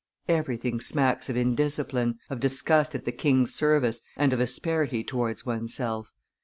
Everything smacks of indiscipline, of disgust at the king's service, and of asperity towards one's self.